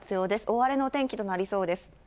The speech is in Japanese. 大荒れのお天気となりそうです。